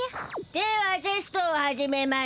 ではテストを始めましゅ。